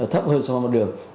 thấp hơn so với mặt đường